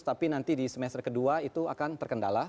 tapi nanti di semester kedua itu akan terkendala